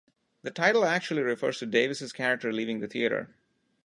The title actually refers to Davis's character leaving the theater.